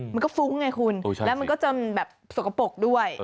มันก็ฟุ้งไงคุณแล้วมันก็จะแบบสกปรกด้วย